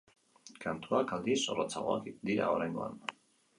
Kantuak, aldiz, zorrotzagoak dira oraingoan.